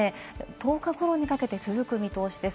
１０日頃にかけて続く見通しです。